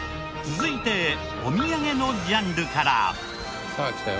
続いてお土産のジャンルから。